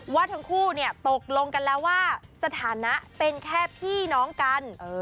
ว่าทั้งคู่ตกลงกันแล้วว่าสถานะเป็นแค่พี่น้องกัน